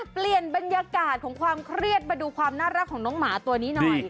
เปลี่ยนบรรยากาศของความเครียดมาดูความน่ารักของน้องหมาตัวนี้หน่อย